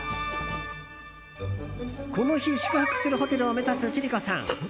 この日、宿泊するホテルを目指す千里子さん。